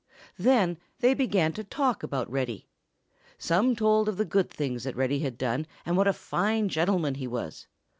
Then they began to talk about Reddy. Some told of the good things that Reddy had done and what a fine gentleman he was.